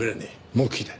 黙秘だ。